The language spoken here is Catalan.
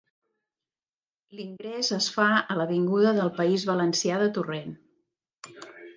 L'ingrés es fa a l'avinguda del País Valencià de Torrent.